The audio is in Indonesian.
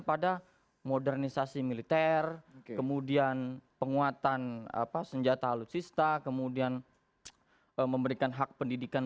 pada modernisasi militer kemudian penguatan senjata alutsista kemudian memberikan hak pendidikan